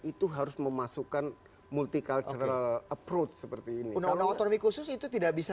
itu harus memasukkan multi cultural approach seperti ini kalau otonomi khusus itu tidak bisa